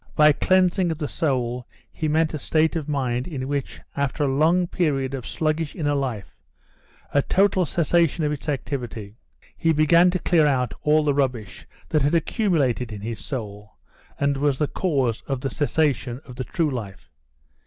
By "cleansing of the soul" he meant a state of mind in which, after a long period of sluggish inner life, a total cessation of its activity, he began to clear out all the rubbish that had accumulated in his soul, and was the cause of the cessation of the true life.